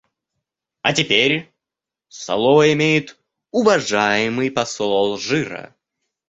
А теперь слово имеет уважаемый посол Алжира.